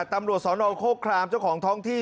ตำรวจสนโครครามเจ้าของท้องที่